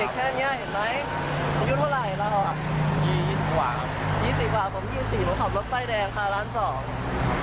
ยี่สิบหวานครับยี่สิบหวานผมยี่สิบหวานผมขับมันใบแดงค่ะร้านสอง